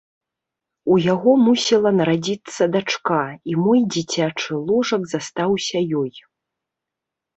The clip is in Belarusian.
У яго мусіла нарадзіцца дачка, і мой дзіцячы ложак застаўся ёй.